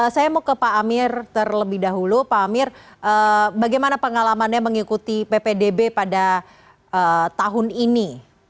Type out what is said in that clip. saya mau ke pak amir terlebih dahulu pak amir bagaimana pengalamannya mengikuti ppdb pada tahun ini